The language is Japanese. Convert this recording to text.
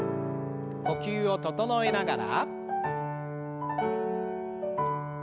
呼吸を整えながら。